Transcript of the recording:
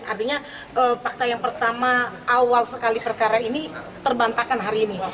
artinya fakta yang pertama awal sekali perkara ini terbantahkan hari ini